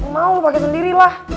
mau lu pake sendiri lah